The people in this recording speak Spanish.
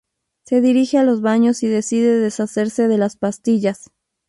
Se dirige a los baños y decide deshacerse de las pastillas.